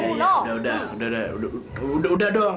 ya ya udah udah udah udah udah udah dong